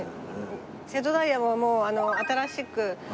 瀬戸大也も新しく